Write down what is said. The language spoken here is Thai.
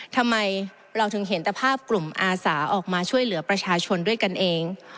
ทำไมเราถึงเห็นแต่ภาพกลุ่มอาสาออกมาช่วยเหลือประชาชนด้วยกันเอง